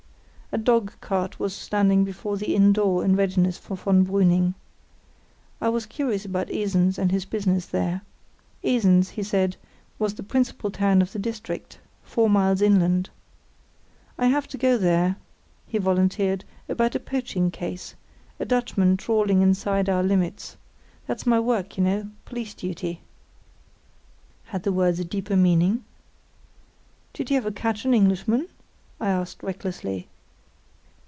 A dogcart was standing before the inn door in readiness for von Brüning. I was curious about Esens and his business there. Esens, he said, was the principal town of the district, four miles inland. "I have to go there," he volunteered, "about a poaching case—a Dutchman trawling inside our limits. That's my work, you know—police duty." Had the words a deeper meaning? "Do you ever catch an Englishman?" I asked, recklessly.